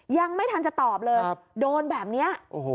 ยังไม่ทันจะตอบเลยโดนแบบนี้